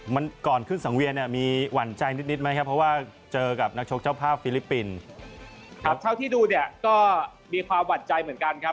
มันก่อนขึ้นสังเวียส์นะครับมีหวั่นใจนิดไหมครับ